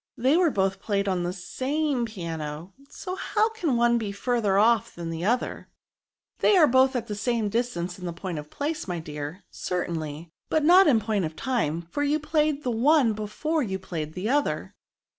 They were both played on the same piano, so how can one be further off than the other?" " They are both at the same distance in point of place, my dear, certainly ; but not in point of time, for you played the one before you played the other."